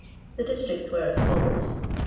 The districts were as follows : 1.